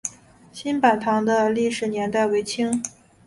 新坂堂的历史年代为清。